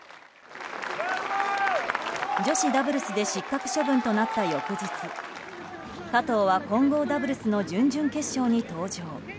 女子ダブルスで失格処分となった翌日加藤は混合ダブルスの準々決勝に登場。